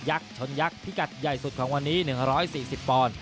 ชนยักษ์พิกัดใหญ่สุดของวันนี้๑๔๐ปอนด์